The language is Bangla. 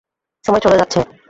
সময় চলে যাচ্ছে!